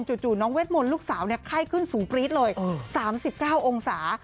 น้องเวทมนต์ลูกสาวไข้ขึ้นสูงปรี๊ดเลย๓๙องศา